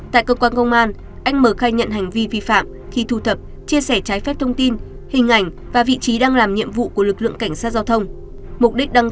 tại cơ quan công an anh m khai nhận hành vi vi phạm khi thu thập chia sẻ trái phép thông tin hình ảnh và vị trí đang làm nhiệm vụ của lực lượng cảnh sát giao thông